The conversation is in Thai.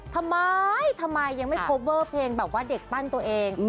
ทำไมทำไมยังไม่โคเวอร์เพลงแบบว่าเด็กปั้นตัวเอง